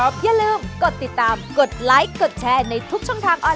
สวัสดีค่ะ